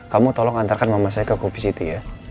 kamu tolong antarkan mama saya ke covisity ya